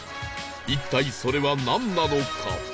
一体それはなんなのか？